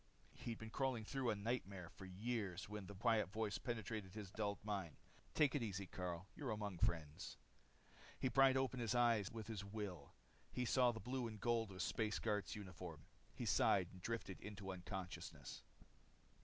He'd been crawling through a nightmare for years when the quiet voice penetrated his dulled mind. "Take it easy, Karyl. You're among friends." He pried open his eyes with his will. He saw the blue and gold of a space guard's uniform. He sighed and drifted into unconsciousness.